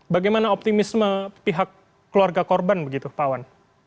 bagaimana optimisme pihak keluarga korban begitu pak wan